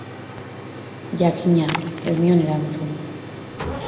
Jakina, ez nion erantzun.